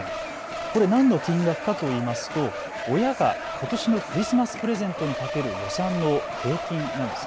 これ何の金額かといいますと親がことしのクリスマスプレゼントにかける予算の平均なんです。